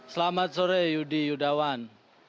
selamat sore yudi yudawan